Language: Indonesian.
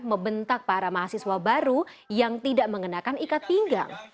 membentak para mahasiswa baru yang tidak mengenakan ikat pinggang